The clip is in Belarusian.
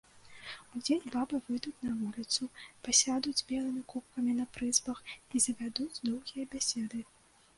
Удзень бабы выйдуць на вуліцу, пасядуць белымі купкамі на прызбах і завядуць доўгія бяседы.